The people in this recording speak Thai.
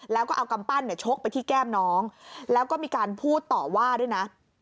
แล้วก็เอากำปั้นชกไปที่แก้มน้องแล้วก็มีการพูดต่อว่าด้วยนะ